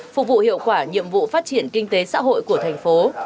phục vụ hiệu quả nhiệm vụ phát triển kinh tế xã hội của thành phố